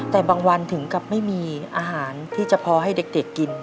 แต่บางวันถึงกับไม่มีอาหารที่จะพอให้เด็กกิน